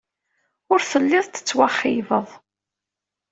Ur telliḍ tettwaxeyybeḍ.